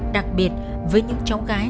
đặc biệt với những cháu gái